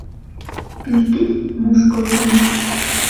Пӱртӱс мушкылтын.